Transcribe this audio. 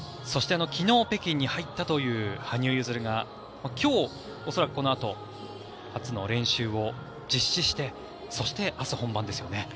そして、昨日北京に入ったという羽生結弦が今日、恐らくこのあと初の練習を実施してそして明日、本番ですよね。